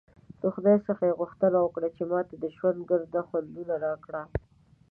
د خدای څخه ېې غوښتنه وکړه چې ماته د ژوند ګرده خوندونه راکړه!